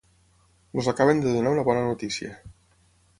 Els acaben de donar una bona notícia.